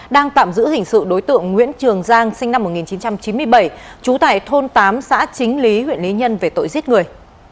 đang tạm giữ hình sự đối tượng nguyễn trường giang sinh năm một nghìn chín trăm chín mươi bảy trú tại thôn tám xã chính lý huyện lý nhân về tội giết người